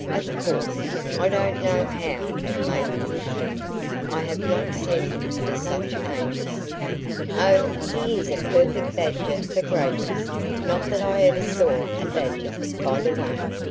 Of course, I don't know how it may be with him; I have not seen him for such ages " "Oh, he is a perfect badger for greyness not that I ever saw a badger, by the way.